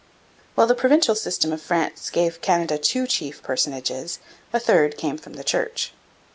] While the provincial system of France gave Canada two chief personages, a third came from the Church.